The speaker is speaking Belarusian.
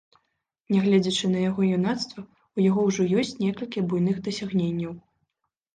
Нягледзячы на яго юнацтва, у яго ўжо ёсць некалькі буйных дасягненняў.